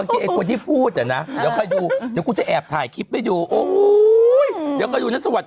ไอ้คนที่พูดนะเดี๋ยวก็ดูเดี๋ยวกูจะแอบถ่ายคลิปให้ดู